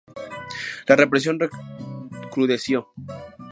La represión recrudeció.